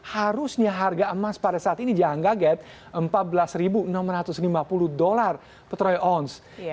harusnya harga emas pada saat ini jangan kaget empat belas enam ratus lima puluh dolar petroy ounce